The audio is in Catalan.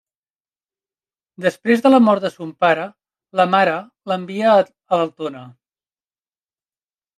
Després de la mort de son pare la mare l'envia a Altona.